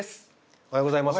おはようございます。